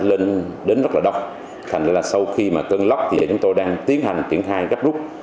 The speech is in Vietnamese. lên đến rất là đông thành là sau khi mà cơn lốc thì chúng tôi đang tiến hành triển khai gấp rút